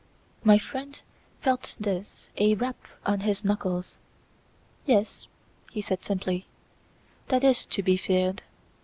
My friend felt this a rap on his knuckles. "Yes," he said simply, "that is to be feared.